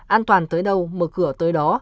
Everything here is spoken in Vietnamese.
an toàn tới đâu mở cửa tới đó